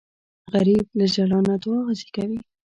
غریب له ژړا نه دعا زېږوي